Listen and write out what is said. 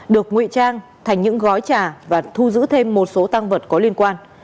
được ngụy trang thành những gói trà và thu giữ thêm một số tăng vật có liên quan